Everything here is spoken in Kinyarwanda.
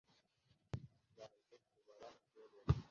naje kubara inkuru